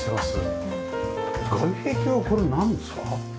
外壁はこれなんですか？